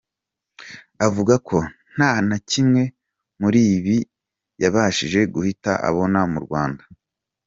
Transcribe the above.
Avuga ko nta na kimwe muri ibi yabashije guhita abona mu Rwanda.